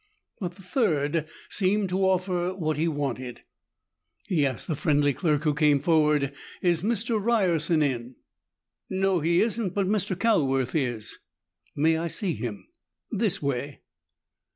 But the third seemed to offer what he wanted. He asked the friendly clerk who came forward, "Is Mr. Ryerson in?" "No, he isn't. But Mr. Calworth is." "May I see him?" "This way."